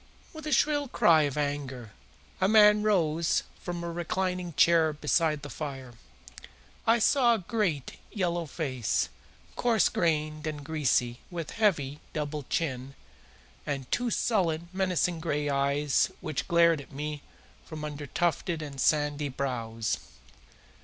With a shrill cry of anger a man rose from a reclining chair beside the fire. I saw a great yellow face, coarse grained and greasy, with heavy, double chin, and two sullen, menacing gray eyes which glared at me from under tufted and sandy brows.